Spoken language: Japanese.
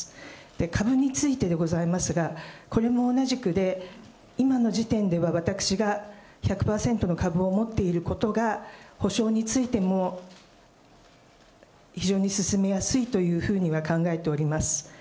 株についてでございますが、これも同じくで、今の時点では私が１００％の株を持っていることが、補償についても非常に進めやすいというふうには考えております。